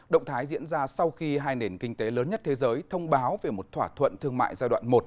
động thái diễn ra sau khi hai nền kinh tế lớn nhất thế giới thông báo về một thỏa thuận thương mại giai đoạn một